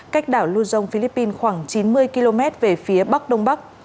cách đảo luzon philippines khoảng chín mươi km về phía bắc đông bắc